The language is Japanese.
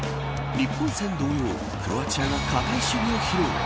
日本戦同様クロアチアが堅い守備を披露。